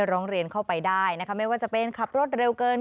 ร้องเรียนเข้าไปได้นะคะไม่ว่าจะเป็นขับรถเร็วเกิน